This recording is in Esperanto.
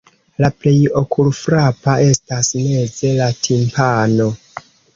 La plej okulfrapa estas meze la timpano.